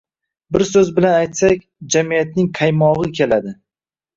Bir so‘z bilan aytsak, jamiyatni qaymog‘i keladi.